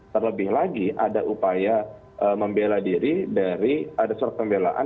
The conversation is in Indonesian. terlebih lagi ada upaya membela diri dari ada surat pembelaan